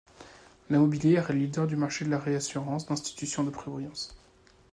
La Mobilière est leader du marché de la réassurance d’institutions de prévoyance.